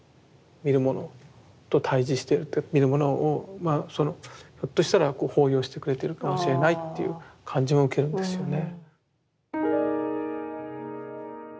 見る者と対峙してるって見る者をそのひょっとしたら抱擁してくれてるかもしれないっていう感じも受けるんですよね。